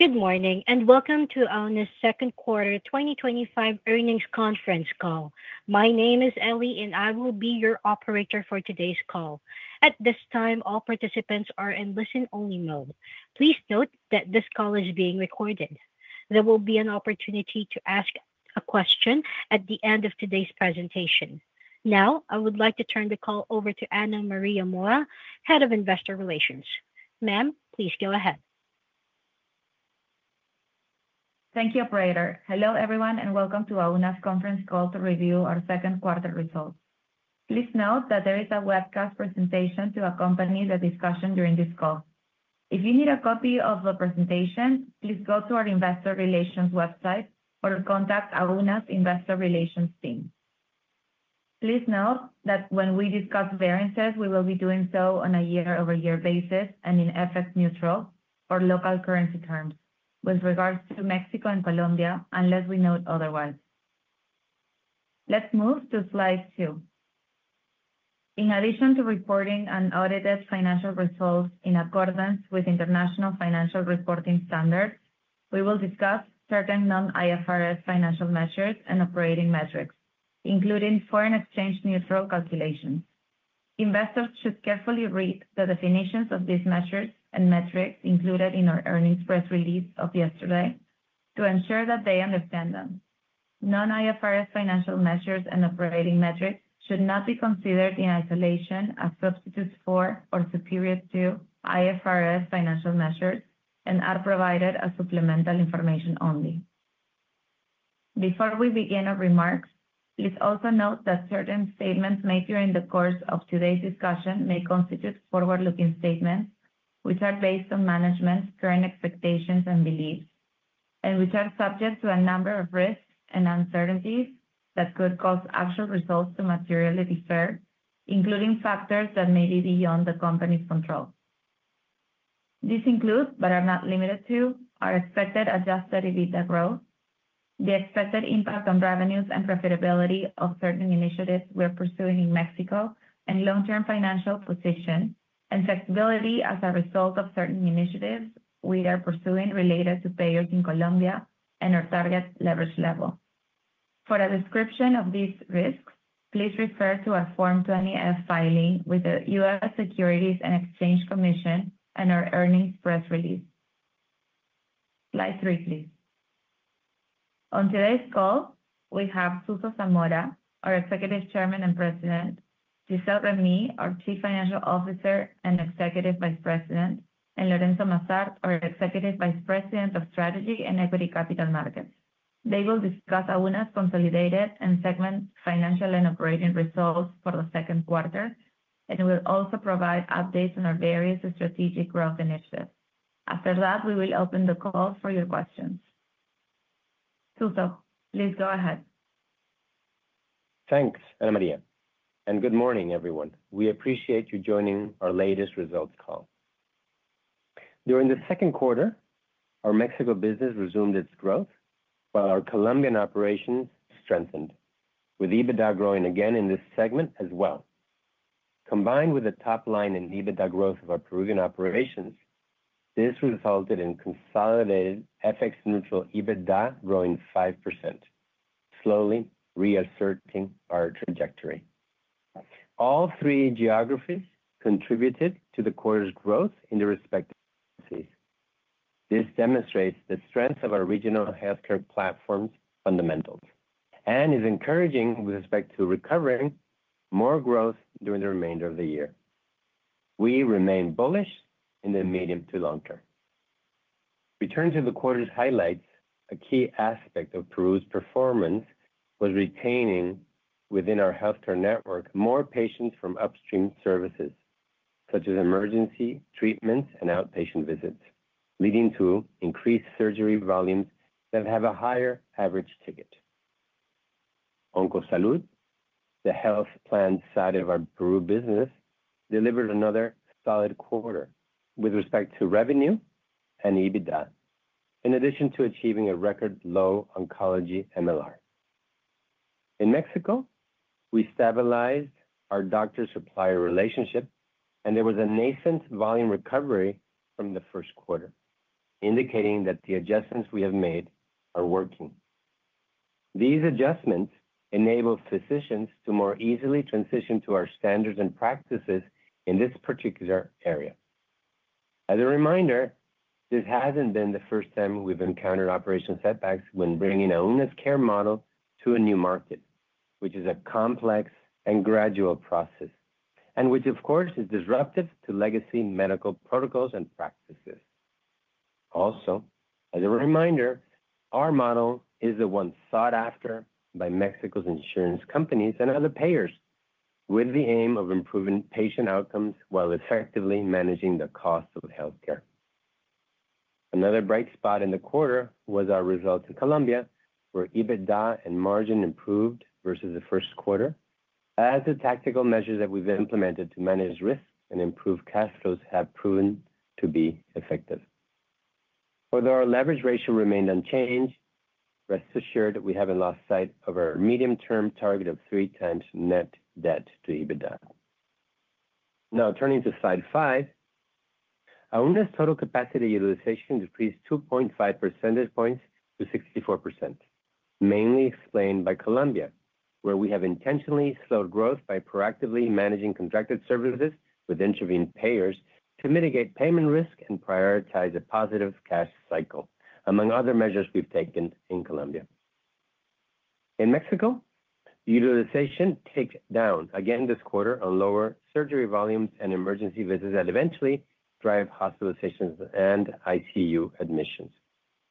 Good morning and welcome to Auna's Second Quarter 2025 Earnings Conference Call. My name is Ellie and I will be your operator for today's call. At this time, all participants are in listen-only mode. Please note that this call is being recorded. There will be an opportunity to ask a question at the end of today's presentation. Now, I would like to turn the call over to Ana Maria Mora, Head of Investor Relations. Ma'am, please go ahead. Thank you, operator. Hello everyone and welcome to Auna's conference call to review our second quarter results. Please note that there is a webcast presentation to accompany the discussion during this call. If you need a copy of the presentation, please go to our investor relations website or contact Auna's investor relations team. Please note that when we discuss variances, we will be doing so on a year-over-year basis and in FX-neutral or local currency terms, with regards to Mexico and Colombia, unless we note otherwise. Let's move to slide two. In addition to reporting on audited financial results in accordance with International Financial Reporting Standards, we will discuss certain non-IFRS financial measures and operating metrics, including foreign exchange-neutral calculations. Investors should carefully read the definitions of these measures and metrics included in our earnings press release of yesterday to ensure that they understand them. Non-IFRS financial measures and operating metrics should not be considered in isolation as substitutes for or superior to IFRS financial measures and are provided as supplemental information only. Before we begin our remarks, please also note that certain statements made during the course of today's discussion may constitute forward-looking statements, which are based on management's current expectations and beliefs, and which are subject to a number of risks and uncertainties that could cause actual results to materially differ, including factors that may be beyond the company's control. These include, but are not limited to, our expected adjusted EBITDA growth, the expected impact on revenues and profitability of certain initiatives we are pursuing in Mexico, and long-term financial position and flexibility as a result of certain initiatives we are pursuing related to payers in Colombia and our target leverage level. For a description of these risks, please refer to our Form 20-F filing with the U.S. Securities and Exchange Commission and our earnings press release. Slide three, please. On today's call, we have Suso Zamora, our Executive Chairman and President, Gisele Remy, our Chief Financial Officer and Executive Vice President, and Lorenzo Massart, our Executive Vice President of Strategy and Equity Capital Markets. They will discuss Auna's consolidated and segmented financial and operating results for the second quarter, and we'll also provide updates on our various strategic growth initiatives. After that, we will open the call for your questions. Suso, please go ahead. Thanks, Ana Maria, and good morning everyone. We appreciate you joining our latest results call. During the second quarter, our Mexico business resumed its growth, while our Colombian operations strengthened, with EBITDA growing again in this segment as well. Combined with the top line and EBITDA growth of our Peruvian operations, this resulted in consolidated, FX-neutral EBITDA growing 5%, slowly reasserting our trajectory. All three geographies contributed to the quarter's growth in their respective provinces. This demonstrates the strength of our regional healthcare platform's fundamentals and is encouraging with respect to recovering more growth during the remainder of the year. We remain bullish in the medium to long-term. Returning to the quarter's highlights, a key aspect of Peru's performance was retaining within our healthcare network more patients from upstream services, such as emergency treatments and outpatient visits, leading to increased surgery volumes that have a higher average ticket. Oncosalud, the health plan side of our Peru business, delivered another solid quarter with respect to revenue and EBITDA, in addition to achieving a record low oncology MLR. In Mexico, we stabilized our doctor-supplier relationship, and there was a nascent volume recovery from the first quarter, indicating that the adjustments we have made are working. These adjustments enable physicians to more easily transition to our standards and practices in this particular area. As a reminder, this hasn't been the first time we've encountered operational setbacks when bringing Auna's care model to a new market, which is a complex and gradual process, and which, of course, is disruptive to legacy medical protocols and practices. Also, as a reminder, our model is the one sought after by Mexico's insurance companies and other payers, with the aim of improving patient outcomes while effectively managing the cost of healthcare. Another bright spot in the quarter was our results in Colombia, where EBITDA and margin improved versus the first quarter, as the tactical measures that we've implemented to manage risk and improve cash flows have proven to be effective. Although our leverage ratio remained unchanged, rest assured we haven't lost sight of our medium-term target of 3x net debt to EBITDA. Now, turning to slide five, Auna's total capacity utilization decreased 2.5 percentage points to 64%, mainly explained by Colombia, where we have intentionally slowed growth by proactively managing contracted services with intervening payers to mitigate payment risk and prioritize a positive cash cycle, among other measures we've taken in Colombia. In Mexico, utilization ticked down again this quarter on lower surgery volumes and emergency visits that eventually drive hospitalizations and ICU admissions.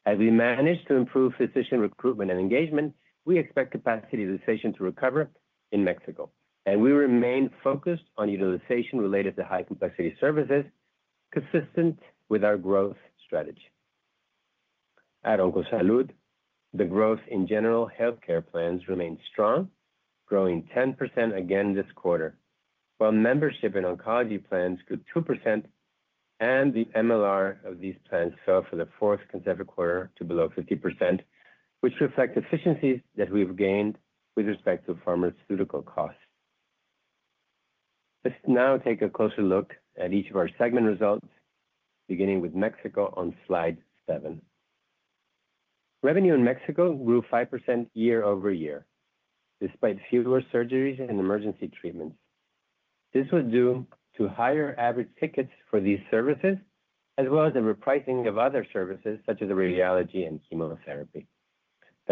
As we manage to improve physician recruitment and engagement, we expect capacity utilization to recover in Mexico, and we remain focused on utilization related to high-complexity services, consistent with our growth strategy. At Oncosalud, the growth in general healthcare plans remains strong, growing 10% again this quarter, while membership in oncology plans grew 2%, and the MLR of these plans fell for the fourth consecutive quarter to below 50%, which reflects efficiencies that we've gained with respect to pharmaceutical costs. Let's now take a closer look at each of our segment results, beginning with Mexico on slide seven. Revenue in Mexico grew 5% year-over-year, despite fewer surgeries and emergency treatments. This was due to higher average tickets for these services, as well as the repricing of other services, such as radiology and chemotherapy.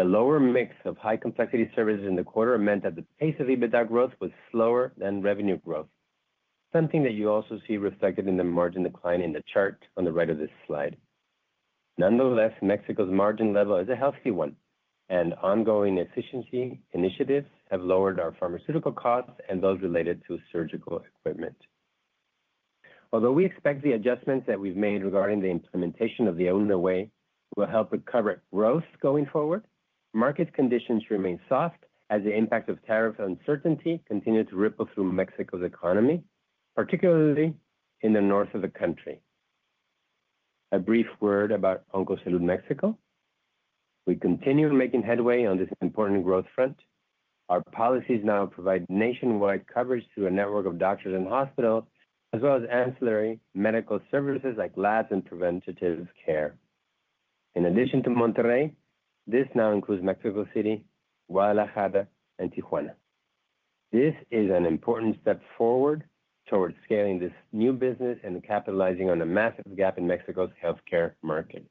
A lower mix of high-complexity services in the quarter meant that the pace of EBITDA growth was slower than revenue growth, something that you also see reflected in the margin decline in the chart on the right of this slide. Nonetheless, Mexico's margin level is a healthy one, and ongoing efficiency initiatives have lowered our pharmaceutical costs and those related to surgical equipment. Although we expect the adjustments that we've made regarding the implementation of the Auna way will help recover growth going forward, market conditions remain soft as the impact of tariff uncertainty continues to ripple through Mexico's economy, particularly in the north of the country. A brief word about Oncosalud, Mexico. We continue making headway on this important growth front. Our policies now provide nationwide coverage through a network of doctors and hospitals, as well as ancillary medical services like labs and preventative care. In addition to Monterrey, this now includes Mexico City, Guadalajara, and Tijuana. This is an important step forward towards scaling this new business and capitalizing on a massive gap in Mexico's healthcare market.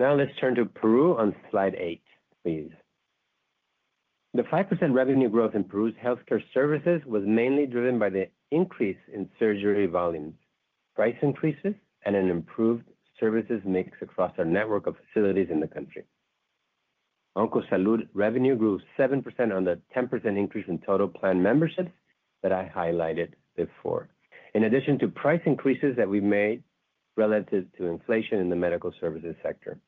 Now let's turn to Peru on slide eight, please. The 5% revenue growth in Peru's healthcare services was mainly driven by the increase in surgery volumes, price increases, and an improved services mix across our network of facilities in the country. Oncosalud revenue grew 7% on the 10% increase in total plan memberships that I highlighted before, in addition to price increases that we made relative to inflation in the medical services sector.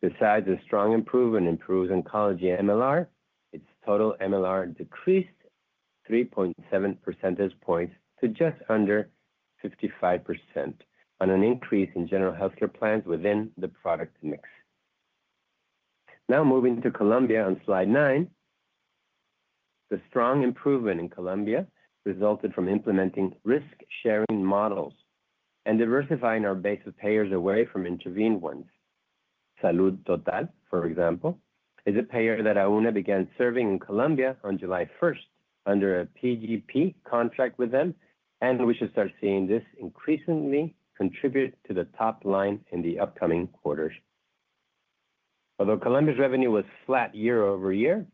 Besides a strong improvement in Peru's oncology MLR, its total MLR decreased 3.7 percentage points to just under 55% on an increase in general healthcare plans within the product mix. Now moving to Colombia on slide nine, the strong improvement in Colombia resulted from implementing risk-sharing models and diversifying our base of payers away from intervened ones. Salud Total, for example, is a payer that Auna began serving in Colombia on July 1st under a PGP contract with them, and we should start seeing this increasingly contribute to the top line in the upcoming quarters. Although Colombia's revenue was flat year-over-year,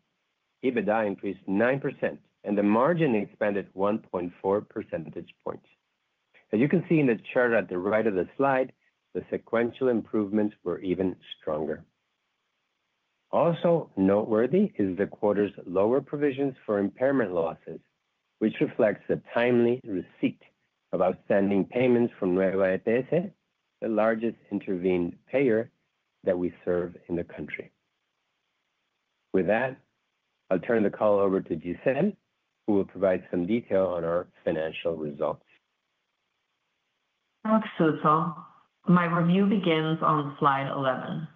EBITDA increased 9% and the margin expanded 1.4 percentage points. As you can see in the chart at the right of the slide, the sequential improvements were even stronger. Also noteworthy is the quarter's lower provisions for impairment losses, which reflects the timely receipt of outstanding payments from Nueva EPS, the largest intervened payer that we serve in the country. With that, I'll turn the call over to Gisele, who will provide some detail on our financial results. Thanks, Suso. My review begins on slide 11.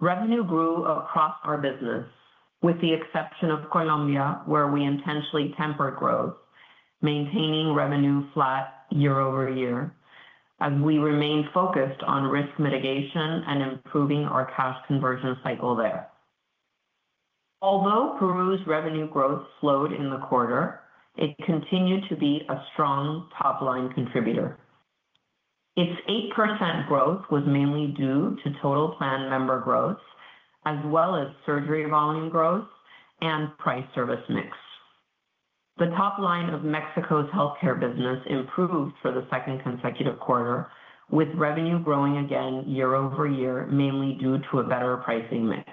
Revenue grew across our business, with the exception of Colombia, where we intentionally tempered growth, maintaining revenue flat year-over-year, as we remained focused on risk mitigation and improving our cash conversion cycle there. Although Peru's revenue growth slowed in the quarter, it continued to be a strong top line contributor. Its 8% growth was mainly due to total plan member growth, as well as surgery volume growth and price service mix. The top line of Mexico's healthcare business improved for the second consecutive quarter, with revenue growing again year-over-year, mainly due to a better pricing mix.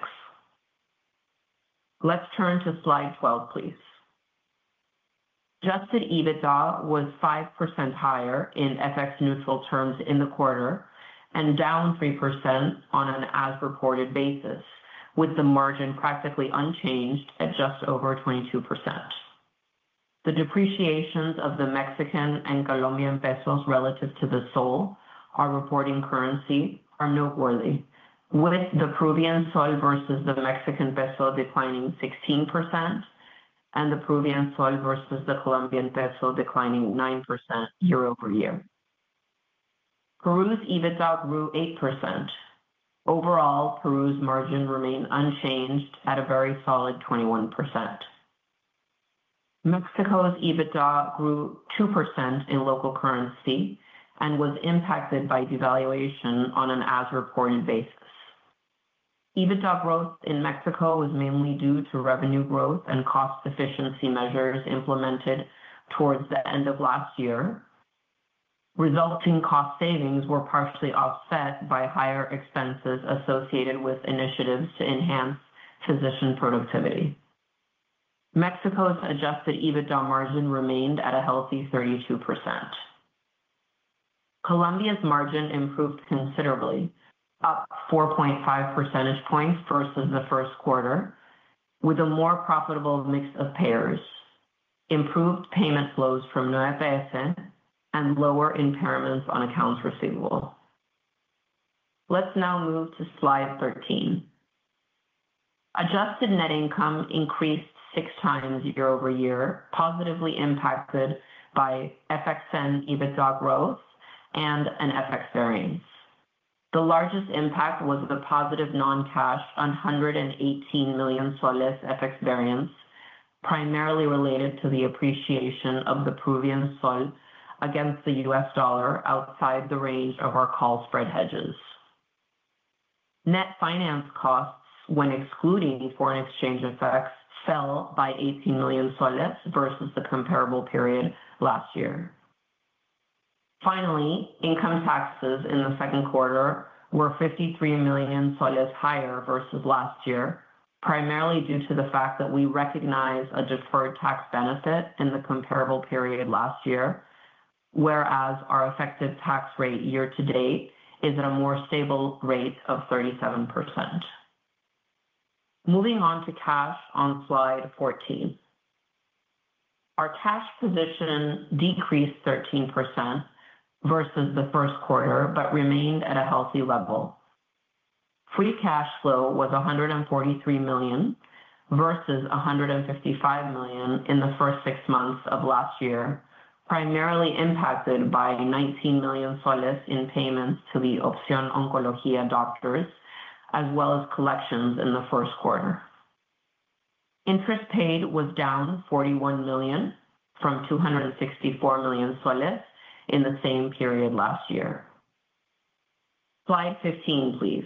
Let's turn to slide 12, please. Adjusted EBITDA was 5% higher in FX-neutral terms in the quarter and down 3% on an as-reported basis, with the margin practically unchanged at just over 22%. The depreciations of the Mexican and Colombian pesos relative to the sol, our reporting currency, are noteworthy, with the Peruvian sol versus the Mexican peso declining 16% and the Peruvian sol versus the Colombian peso declining 9% year-over-year. Peru's EBITDA grew 8%. Overall, Peru's margin remained unchanged at a very solid 21%. Mexico's EBITDA grew 2% in local currency and was impacted by devaluation on an as-reported basis. EBITDA growth in Mexico was mainly due to revenue growth and cost efficiency measures implemented towards the end of last year. Resulting cost savings were partially offset by higher expenses associated with initiatives to enhance physician productivity. Mexico's adjusted EBITDA margin remained at a healthy 32%. Colombia's margin improved considerably, up 4.5 percentage points versus the first quarter, with a more profitable mix of payers, improved payment flows from Nueva EPS, and lower impairments on accounts receivable. Let's now move to slide 13. Adjusted net income increased six times year-over-year, positively impacted by FX-neutral EBITDA growth and an FX variance. The largest impact was the positive non-cash on PEN 118 million FX variance, primarily related to the appreciation of the Peruvian sol against the U.S. dollar outside the range of our call spread hedges. Net finance costs, when excluding the foreign exchange effects, fell by PEN 18 million versus the comparable period last year. Finally, income taxes in the second quarter were PEN 53 million higher versus last year, primarily due to the fact that we recognize a deferred tax benefit in the comparable period last year, whereas our effective tax rate year to date is at a more stable rate of 37%. Moving on to cash on slide 14. Our cash position decreased 13% versus the first quarter, but remained at a healthy level. Free cash flow was PEN 143 million versus PEN 155 million in the first six months of last year, primarily impacted by PEN 19 million in payments to the Opción Oncología doctors, as well as collections in the first quarter. Interest paid was down PEN 41 million from PEN 264 million in the same period last year. Slide 15, please.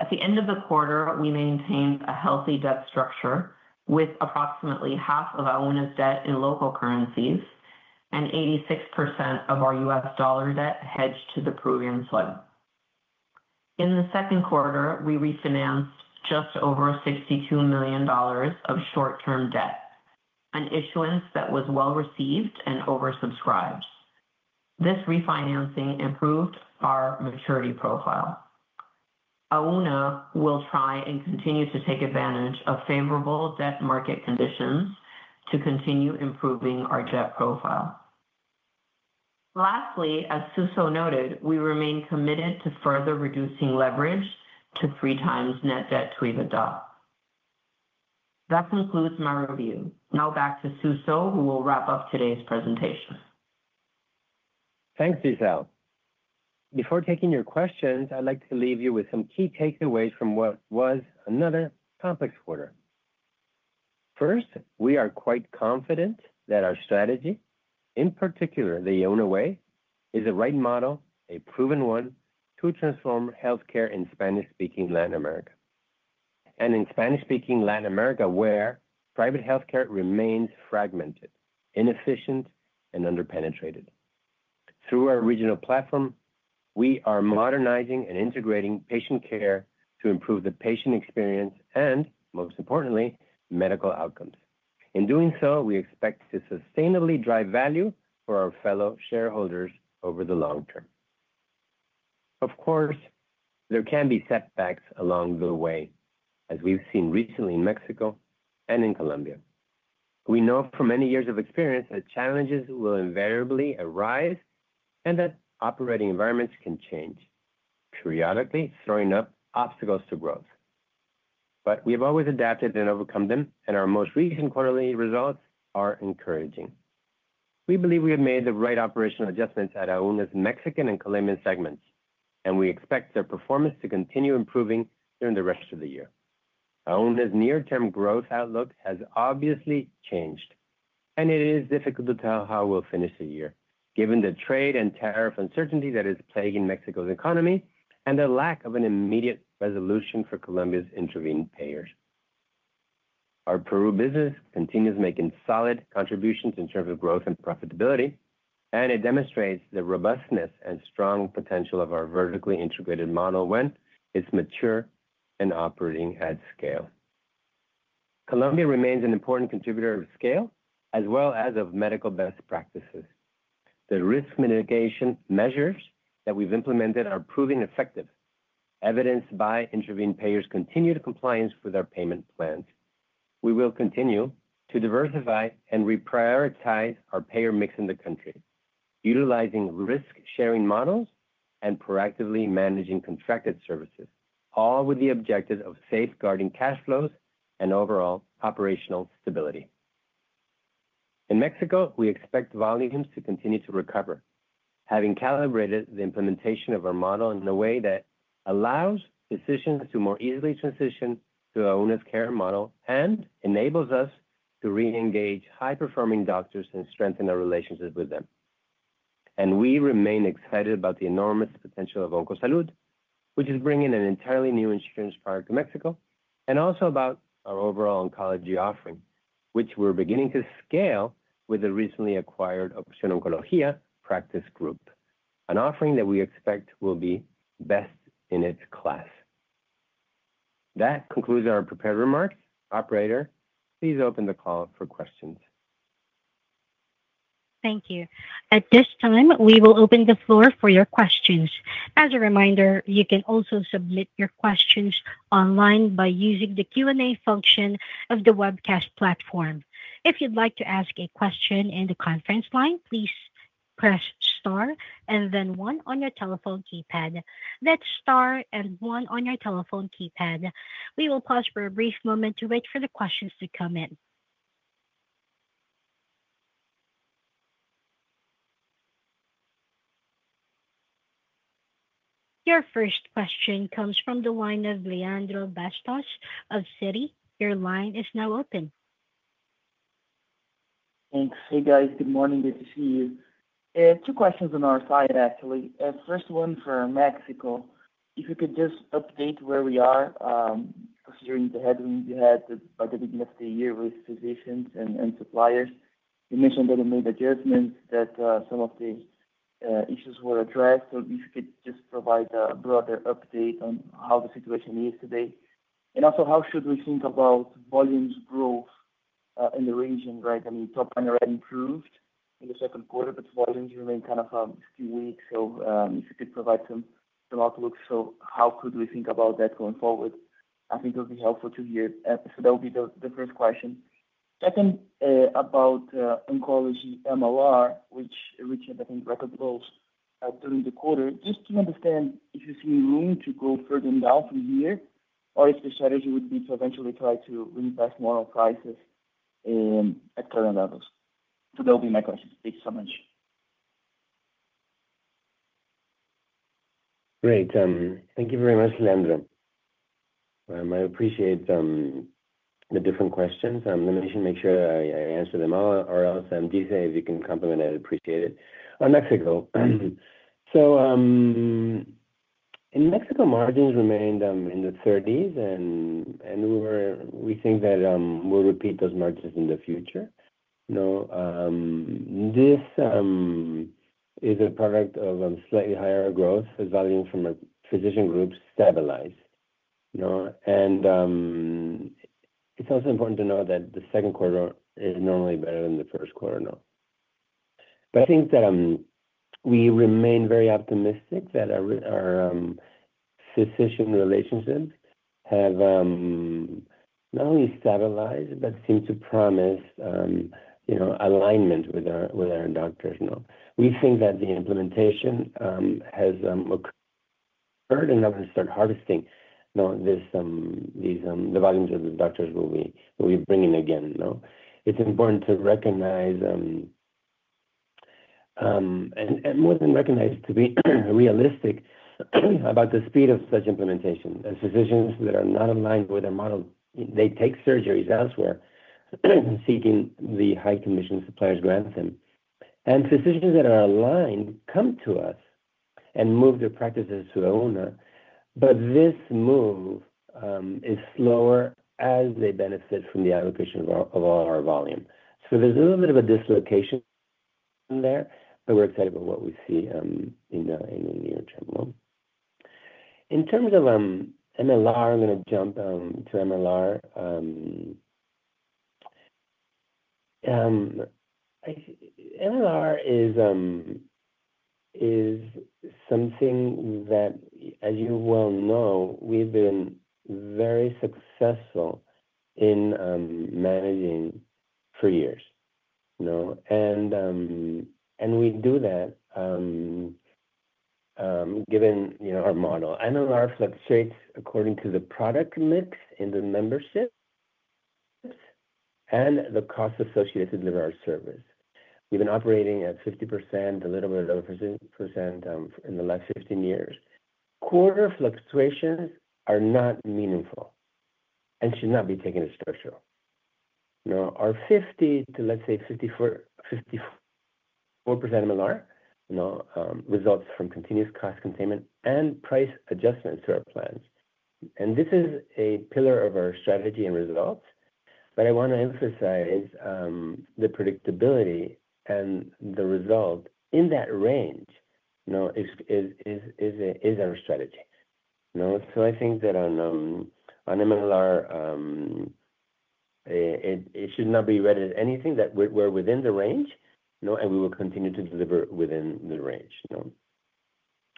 At the end of the quarter, we maintained a healthy debt structure with approximately half of Auna's debt in local currencies and 86% of our U.S. dollar debt hedged to the Peruvian sol. In the second quarter, we refinanced just over $62 million of short-term debt, an issuance that was well received and oversubscribed. This refinancing improved our maturity profile. Auna will try and continue to take advantage of favorable debt market conditions to continue improving our debt profile. Lastly, as Suso noted, we remain committed to further reducing leverage to 3x net debt to EBITDA. That concludes my review. Now back to Suso, who will wrap up today's presentation. Thanks, Gisele. Before taking your questions, I'd like to leave you with some key takeaways from what was another complex quarter. First, we are quite confident that our strategy, in particular the Auna way, is the right model, a proven one, to transform healthcare in Spanish-speaking Latin America. In Spanish-speaking Latin America, where private healthcare remains fragmented, inefficient, and underpenetrated, through our regional platform, we are modernizing and integrating patient care to improve the patient experience and, most importantly, medical outcomes. In doing so, we expect to sustainably drive value for our fellow shareholders over the long-term. Of course, there can be setbacks along the way, as we've seen recently in Mexico and in Colombia. We know from many years of experience that challenges will invariably arise and that operating environments can change, periodically throwing up obstacles to growth. We've always adapted and overcome them, and our most recent quarterly results are encouraging. We believe we have made the right operational adjustments at Auna's Mexican and Colombian segments, and we expect their performance to continue improving during the rest of the year. Auna's near-term growth outlook has obviously changed, and it is difficult to tell how we'll finish the year, given the trade and tariff uncertainty that is plaguing Mexico's economy and the lack of an immediate resolution for Colombia's intervened payers. Our Peru business continues making solid contributions in terms of growth and profitability, and it demonstrates the robustness and strong potential of our vertically integrated model when it's mature and operating at scale. Colombia remains an important contributor of scale, as well as of medical best practices. The risk mitigation measures that we've implemented are proving effective, evidenced by intervened payers' continued compliance with their payment plans. We will continue to diversify and reprioritize our payer mix in the country, utilizing risk-sharing models and proactively managing contracted services, all with the objective of safeguarding cash flows and overall operational stability. In Mexico, we expect volumes to continue to recover, having calibrated the implementation of our model in a way that allows physicians to more easily transition to Auna's care model and enables us to re-engage high-performing doctors and strengthen our relationships with them. We remain excited about the enormous potential of Oncosalud, which is bringing an entirely new insurance product to Mexico, and also about our overall oncology offering, which we're beginning to scale with the recently acquired Opción Oncología practice group, an offering that we expect will be best in its class. That concludes our prepared remarks. Operator, please open the call for questions. Thank you. At this time, we will open the floor for your questions. As a reminder, you can also submit your questions online by using the Q&A function of the webcast platform. If you'd like to ask a question in the conference line, please press star and then one on your telephone keypad. That's star and one on your telephone keypad. We will pause for a brief moment to wait for the questions to come in. Your first question comes from the line of Leandro Bastos of Citi. Your line is now open. Thanks. Hey guys, good morning, good to see you. Two questions on our side, actually. First one for Mexico. If you could just update where we are, considering the headwind you had at the beginning of the year with physicians and suppliers. You mentioned that you made adjustments, that some of the issues were addressed. If you could just provide a broader update on how the situation is today. Also, how should we think about volumes growth in the region, right? I mean, top line already improved in the second quarter, but volumes remain kind of up this few weeks. If you could provide some outlooks, how could we think about that going forward? I think it would be helpful to hear. That would be the first question. Second, about oncology MLR, which reached, I think, record lows during the quarter. Just to understand if you see room to go further down for the year or if the strategy would be to eventually try to reinvest more on prices at current levels. That would be my question. Thank you so much. Great. Thank you very much, Leandro. I appreciate the different questions. I'm going to make sure that I answer them all, or else, Gisele, if you can complement it, I'd appreciate it. On Mexico, in Mexico, margins remained in the 30s, and we think that we'll repeat those margins in the future. This is a product of slightly higher growth as volume from a physician group stabilized. It's also important to know that the second quarter is normally better than the first quarter. I think that we remain very optimistic that our physician relationships have not only stabilized, but seem to promise alignment with our doctors. We think that the implementation has occurred enough to start harvesting the volumes that the doctors will be bringing again. It's important to recognize, and more than recognize, to be realistic about the speed of such implementation. As physicians that are not aligned with our model, they take surgeries elsewhere and seeking the high-commission suppliers grant them. Physicians that are aligned come to us and move their practices to Auna. This move is slower as they benefit from the allocation of all of our volume. There's a little bit of a dislocation there, but we're excited about what we see in the near term. In terms of MLR, I'm going to jump to MLR. MLR is something that, as you well know, we've been very successful in managing for years. We do that given our model. MLR fluctuates according to the product mix in the membership and the cost associated to deliver our service. We've been operating at 50%, a little bit of [40%] in the last 15 years. Quarter fluctuations are not meaningful and should not be taken as structural. Our 50% to, let's say, 54% MLR results from continuous cost containment and price adjustments to our plans. This is a pillar of our strategy and results. I want to emphasize the predictability and the result in that range. No, is our strategy. I think that on MLR, it should not be read as anything that we're within the range, and we will continue to deliver within the range.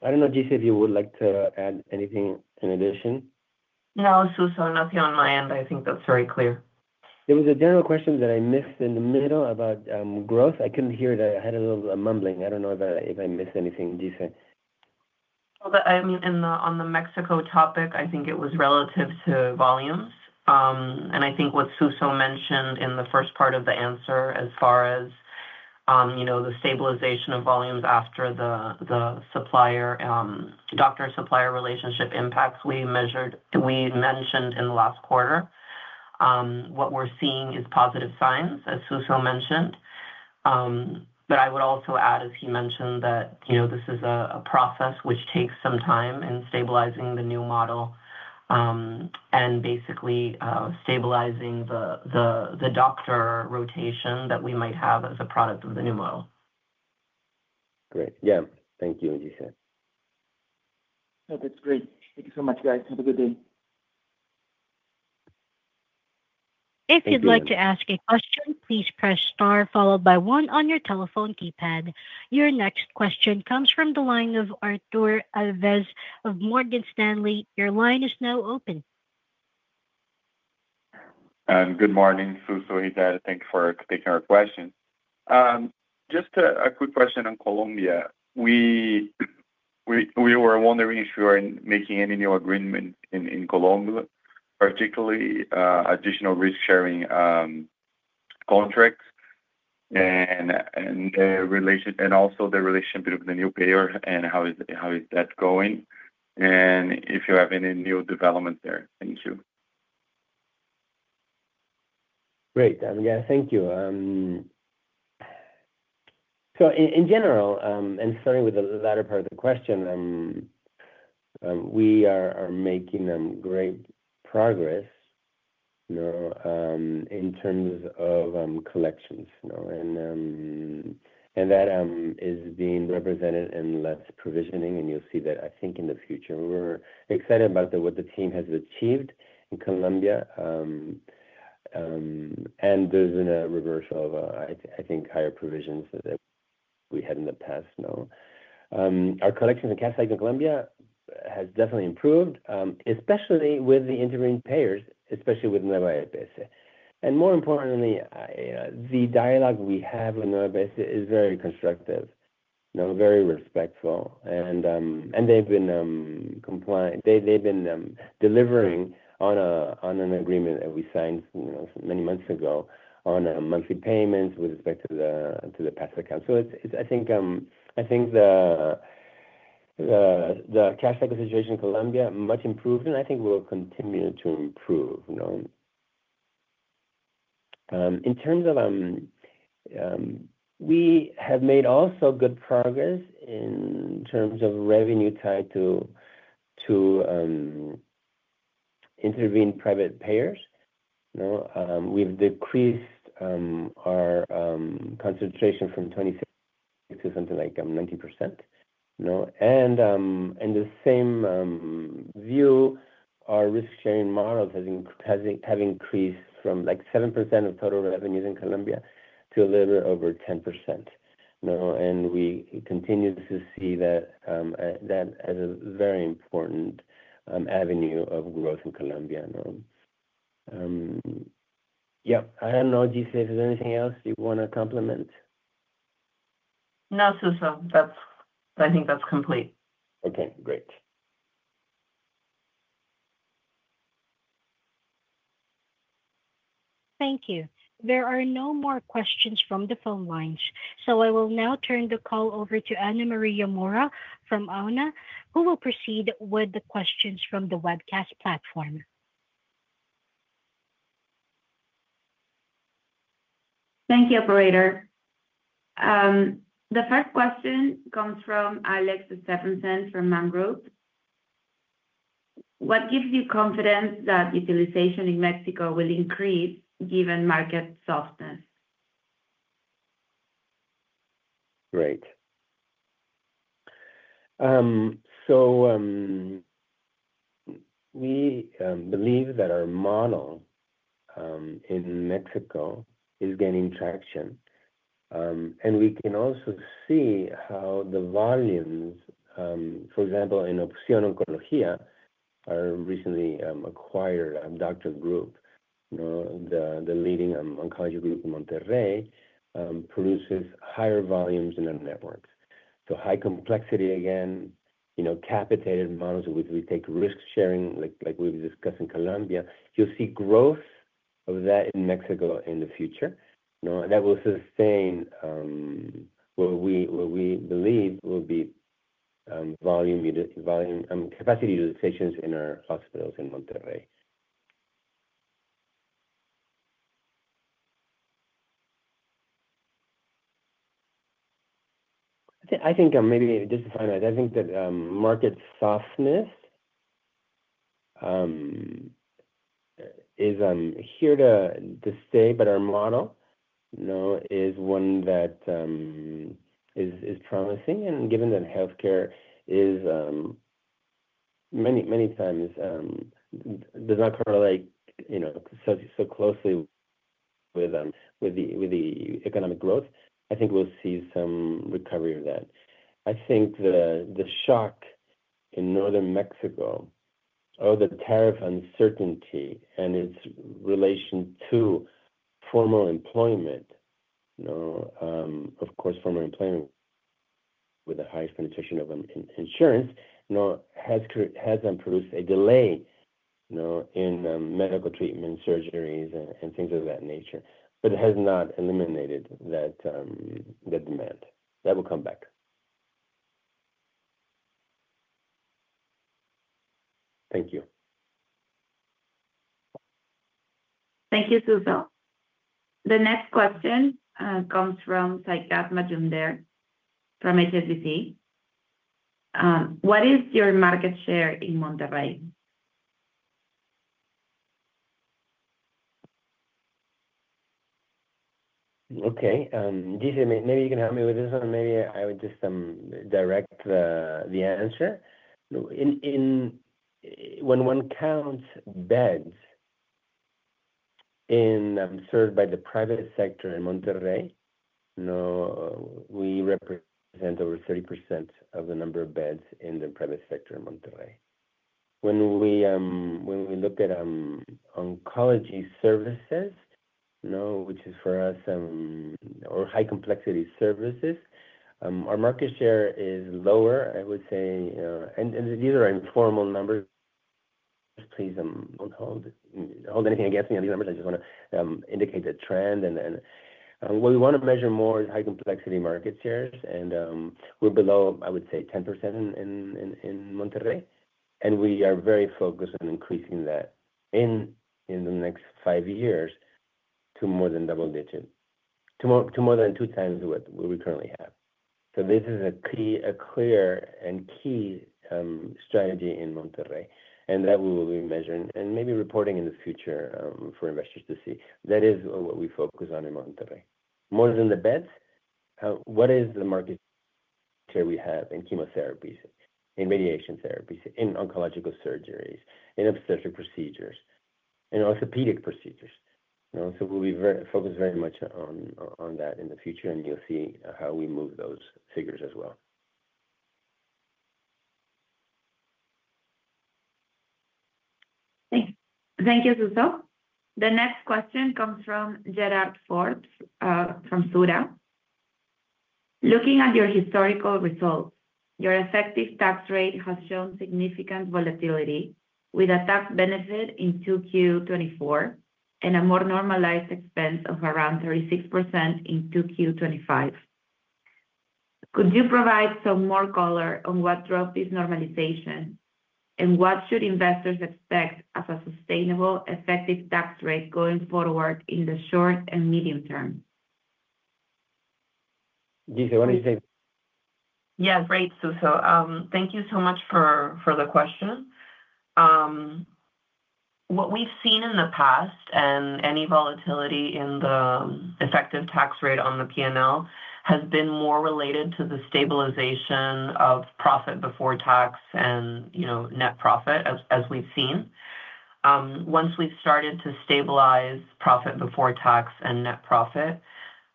I don't know, Gisele, if you would like to add anything in addition. No, Suso, nothing on my end. I think that's very clear. There was a general question that I missed in the middle about growth. I couldn't hear that. I had a little mumbling. I don't know if I missed anything, Gisele. On the Mexico topic, I think it was relative to volumes. I think what Suso mentioned in the first part of the answer, as far as the stabilization of volumes after the supplier, the doctor-supplier relationship impacts we mentioned in the last quarter. What we're seeing is positive signs, as Suso mentioned. I would also add, as he mentioned, that this is a process which takes some time in stabilizing the new model and basically stabilizing the doctor rotation that we might have as a product of the new model. Great. Yeah. Thank you, Gisele. No, that's great. Thank you so much, guys. Have a good day. If you'd like to ask a question, please press star followed by one on your telephone keypad. Your next question comes from the line of Artur Alves of Morgan Stanley. Your line is now open. Good morning, Suso, Gisele. Thank you for taking our question. Just a quick question on Colombia. We were wondering if you are making any new agreements in Colombia, particularly additional risk-sharing contracts, and also the relationship with the new payer and how is that going, and if you have any new developments there. Thank you. Great. Thank you. In general, and starting with the latter part of the question, we are making great progress in terms of collections. That is being represented in less provisioning, and you'll see that, I think, in the future. We're excited about what the team has achieved in Colombia. There's been a reversal of, I think, higher provisions that we had in the past. Our collections and cash side in Colombia has definitely improved, especially with the intervened payers, especially with Nueva EPS. More importantly, the dialogue we have with Nueva EPS is very constructive, very respectful. They've been compliant. They've been delivering on an agreement that we signed many months ago on monthly payments with respect to the past account. I think the cash cycle situation in Colombia is much improved, and I think we will continue to improve. We have made also good progress in terms of revenue tied to intervened private payers. We've decreased our concentration from 23% to something like 19%. In the same view, our risk-sharing models have increased from like 7% of total revenues in Colombia to a little bit over 10%. We continue to see that as a very important avenue of growth in Colombia. I don't know, Gisele, if there's anything else you want to complement. No, Suso, I think that's complete. Okay. Great. Thank you. There are no more questions from the phone lines, so I will now turn the call over to Ana Maria Mora from Auna, who will proceed with the questions from the webcast platform. Thank you, operator. The first question comes from [Alex Stephenson] from [MAM Group]. What gives you confidence that utilization in Mexico will increase given market softness? Great. We believe that our model in Mexico is gaining traction. We can also see how the volumes, for example, in Opción Oncología, our recently acquired doctor group, the leading oncology group in Monterrey, produces higher volumes in our network. High complexity, again, you know, capitated models with which we take risk sharing, like we've discussed in Colombia. You'll see growth of that in Mexico in the future. That will sustain what we believe will be capacity utilizations in our hospitals in Monterrey. Maybe just to finalize, I think that market softness is here to stay, but our model is one that is promising. Given that healthcare many, many times does not correlate so closely with the economic growth, I think we'll see some recovery of that. I think the shock in Northern Mexico of the tariff uncertainty and its relation to formal employment, of course, formal employment with the highest penetration of insurance, has produced a delay in medical treatment, surgeries, and things of that nature, but it has not eliminated that demand. That will come back. Thank you. Thank you, Suso. The next question comes from Saikat Majumder from HSBC. What is your market share in Monterrey? Okay. Gisele, maybe you can help me with this one. Maybe I would just direct the answer. When one counts beds served by the private sector in Monterrey, we represent over 30% of the number of beds in the private sector in Monterrey. When we look at oncology services, which is for us, or high-complexity services, our market share is lower, I would say. These are informal numbers. Please don't hold anything against me on these numbers. I just want to indicate the trend. What we want to measure more is high-complexity market shares. We're below, I would say, 10% in Monterrey. We are very focused on increasing that in the next five years to more than double-digit, to more than two times what we currently have. This is a pretty clear and key strategy in Monterrey that we will be measuring and maybe reporting in the future for investors to see. That is what we focus on in Monterrey. More than the beds, what is the market share we have in chemotherapies, in radiation therapies, in oncological surgeries, in obstetric procedures, and orthopedic procedures? We'll be focused very much on that in the future, and you'll see how we move those figures as well. Thank you, Suso. The next question comes from Gerard Forbes from Sura. Looking at your historical results, your effective tax rate has shown significant volatility, with a tax benefit in Q2 2024 and a more normalized expense of around 36% in Q2 2025. Could you provide some more color on what drove this normalization and what should investors expect as a sustainable, effective tax rate going forward in the short and medium-term? Gisele, what did you say? Yeah, great, Suso. Thank you so much for the question. What we've seen in the past in any volatility in the effective tax rate on the P&L has been more related to the stabilization of profit before tax and net profit, as we've seen. Once we've started to stabilize profit before tax and net profit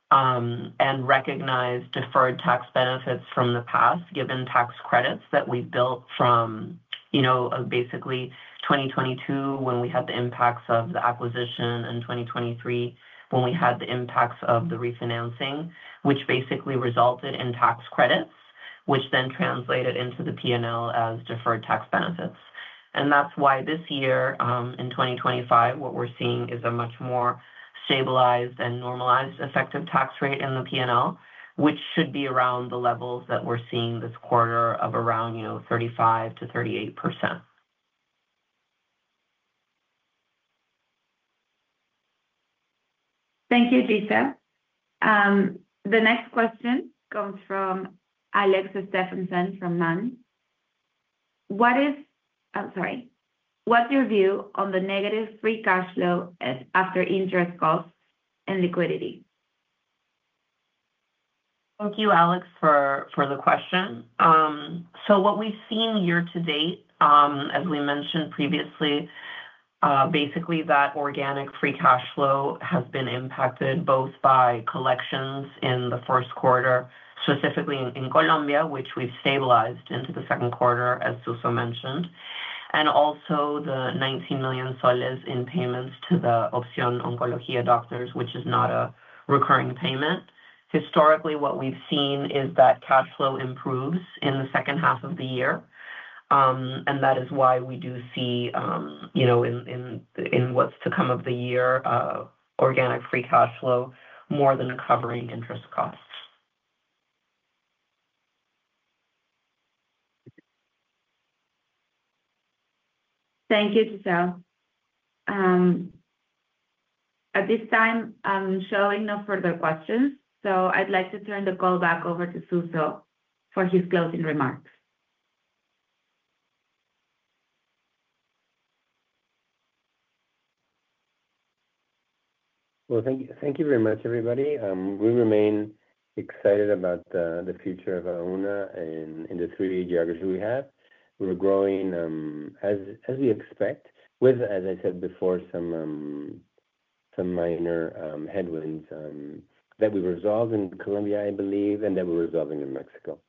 and recognize deferred tax benefits from the past, given tax credits that we've built from basically 2022 when we had the impacts of the acquisition and 2023 when we had the impacts of the refinancing, which basically resulted in tax credits, which then translated into the P&L as deferred tax benefits. That's why this year, in 2025, what we're seeing is a much more stabilized and normalized effective tax rate in the P&L, which should be around the levels that we're seeing this quarter of around 35%-38%. Thank you, Gisele. The next question comes from Alex Stephenson from MAM. What is your view on the negative free cash flow after interest costs and liquidity? Thank you, Alex, for the question. What we've seen year to date, as we mentioned previously, is that organic free cash flow has been impacted both by collections in the first quarter, specifically in Colombia, which we've stabilized into the second quarter, as Suso mentioned, and also the PEN 19 million in payments to the Opción Oncología doctors, which is not a recurring payment. Historically, what we've seen is that cash flow improves in the second half of the year. That is why we do see, in what's to come of the year, organic free cash flow more than covering interest costs. Thank you, Gisele. At this time, I'm showing no further questions. I’d like to turn the call back over to Suso for his closing remarks. Thank you very much, everybody. We remain excited about the future of Auna and in the three years we have. We're growing as we expect, with, as I said before, some minor headwinds that we've resolved in Colombia, I believe, and that we're resolving in Mexico.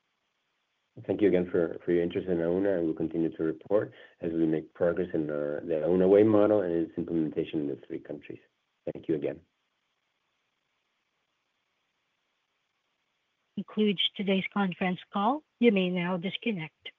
Thank you again for your interest in Auna. We'll continue to report as we make progress in the Auna way model and its implementation in the three countries. Thank you again. Concludes today's conference call. You may now disconnect.